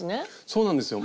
そうなんですよ。